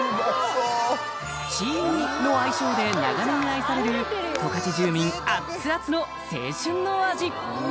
「チーミー」の愛称で長年愛される十勝住民アッツアツの青春の味